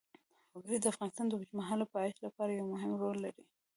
وګړي د افغانستان د اوږدمهاله پایښت لپاره یو مهم رول لري.